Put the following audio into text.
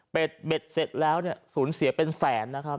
เป็นเบ็ดเสร็จแล้วเนี่ยสูญเสียเป็นแสนนะครับ